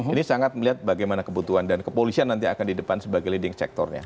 ini sangat melihat bagaimana kebutuhan dan kepolisian nanti akan di depan sebagai leading sectornya